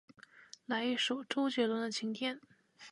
来一首周杰伦的晴天